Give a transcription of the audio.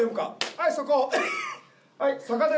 はいそこ。